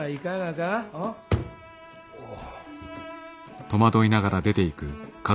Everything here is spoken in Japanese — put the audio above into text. おう。